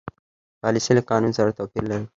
پالیسي له قانون سره توپیر لري.